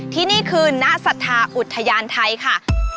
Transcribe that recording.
ที่นี่คือณศรัทธาอุทยานไทยค่ะ